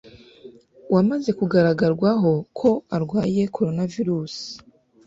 wamaze kugaragarwaho ko arwaye Koronavirusi